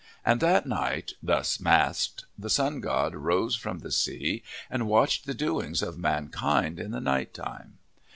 And that night, thus masked, the sun god rose from the sea and watched the doings of mankind in the night time.